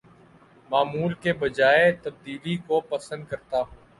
معمول کے بجاے تبدیلی کو پسند کرتا ہوں